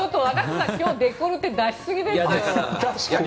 今日デコルテ出しすぎですよ。